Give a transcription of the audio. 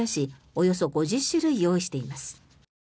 およそ５０種類用意しています。